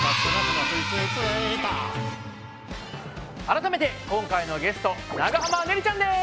改めて今回のゲスト長濱ねるちゃんです！